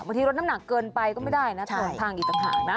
บางทีลดน้ำหนักเกินไปก็ไม่ได้นะต้นทางอีกต่างหากนะ